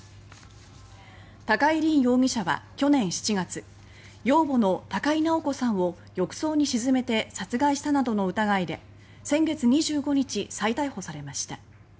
高井凜容疑者は去年７月養母の高井直子さんを浴槽に沈めて殺害し先月２５日、再逮捕されました。